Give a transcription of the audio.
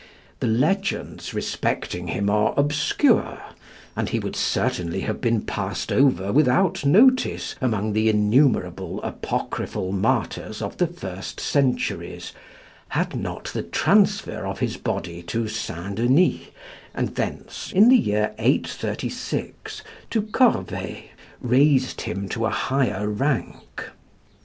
The legends respecting him are obscure, and he would certainly have been passed over without notice among the innumerable apocryphal martyrs of the first centuries, had not the transfer of his body to St. Denys, and thence, in the year 836, to Corvey, raised him to a higher rank.